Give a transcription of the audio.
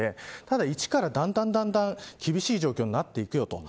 ただ、１からだんだん厳しい状況になっていくよと。